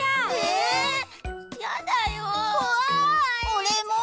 おれも！